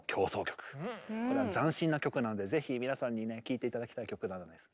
これは斬新な曲なんでぜひ皆さんにね聴いて頂きたい曲なんです。